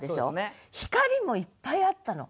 「光」もいっぱいあったの。